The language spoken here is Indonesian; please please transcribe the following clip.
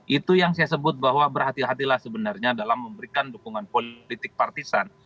itu yang saya sebut bahwa berhati hatilah sebenarnya dalam memberikan dukungan politik partisan